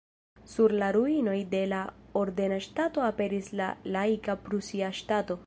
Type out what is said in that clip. Sur la ruinoj de la ordena ŝtato aperis la laika prusia ŝtato.